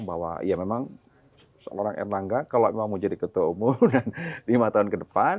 bahwa ya memang seorang erlangga kalau memang mau jadi ketua umum dan lima tahun ke depan